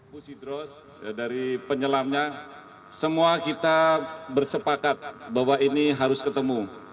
bu sidros dari penyelamnya semua kita bersepakat bahwa ini harus ketemu